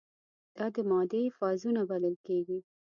دا د مادې فازونه بلل کیږي.